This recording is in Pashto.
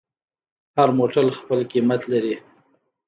هر موټر خپل قیمت لري.